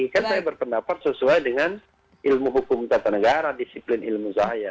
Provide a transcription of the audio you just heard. kan saya berpendapat sesuai dengan ilmu hukum tata negara disiplin ilmu saya